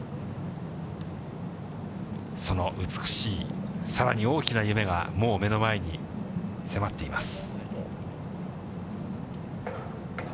その美しい、さらに大きな夢がもう目の前に迫っています。